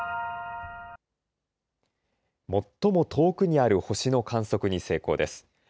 最も遠くにある星の観測に成功です。